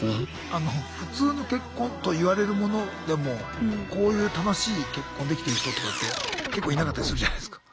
あの普通の結婚といわれるものでもこういう楽しい結婚できてる人とかって結構いなかったりするじゃないすか。